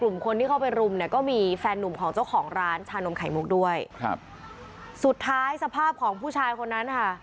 แล้วของร้านชานมไข่มลุกด้วยสุดท้ายสภาพของผู้ชายคนนั้นค่ะ